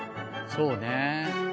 そうね。